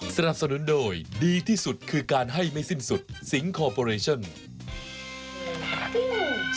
สนับสนุนโดยดีที่สุดคือการให้ไม่สิ้นสุดสิงคอร์ปอเรชั่น